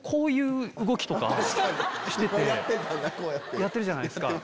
やってるじゃないですか。